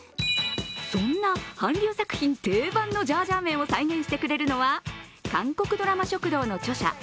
そんな韓流作品定番のジャージャー麺を再現してくれるのが「韓国ドラマ食堂」の著者